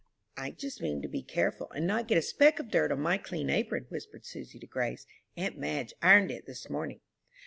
"I just mean to be careful, and not get a speck of dirt on my clean apron," whispered Susy to Grace. "Aunt Madge ironed it this morning."